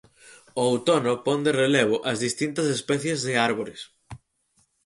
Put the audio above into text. O outono pon de relevo as distintas especies de árbores.